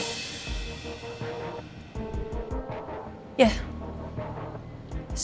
saya mau didampingi oleh bapak